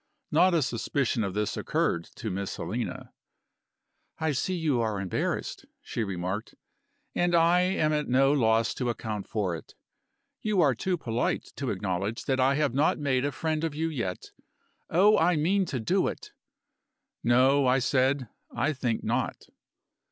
Not a suspicion of this occurred to Miss Helena. "I see you are embarrassed," she remarked, "and I am at no loss to account for it. You are too polite to acknowledge that I have not made a friend of you yet. Oh, I mean to do it!" "No," I said, "I think not."